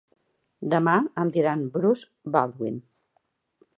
Demà em diran Bruce Baldwin.